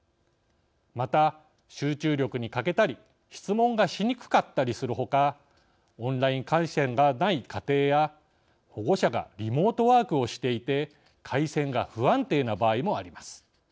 また、集中力に欠けたり質問がしにくかったりするほかオンライン回線がない家庭や保護者がリモートワークをしていて回線が不安定な場合もあります。